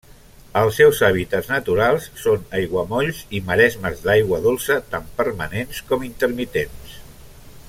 Els seus hàbitats naturals són aiguamolls i maresmes d'aigua dolça, tant permanents com intermitents.